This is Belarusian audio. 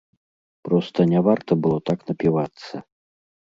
Проста не варта было так напівацца.